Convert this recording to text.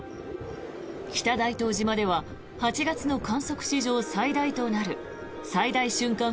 北大東島では８月の観測史上最大となる最大瞬間